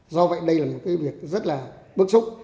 do vậy đây là một cái việc rất là bức xúc